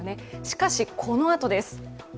しかし、このあとです。